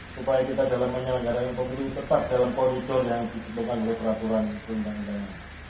supaya kita dalam penyelenggaraan pemilu tetap dalam korudon yang dikubahkan oleh peraturan undang undang